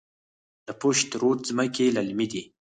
د پشت رود ځمکې للمي دي